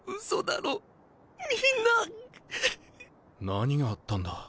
何があったんだ？